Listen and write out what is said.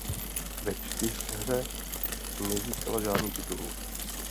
Ve čtyřhře nezískala žádný titul.